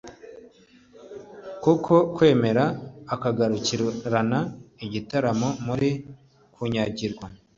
ibi abitabiriye iki gitaramo barabigaragaje kuko kwemera ugakurikirana igitaramo urimo kunyagirwa ntabwo byakorwa na buri wese